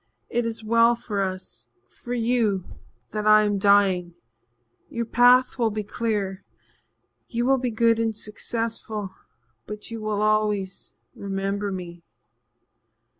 It is well for us for you that I am dying. Your path will be clear you will be good and successful but you will always remember me."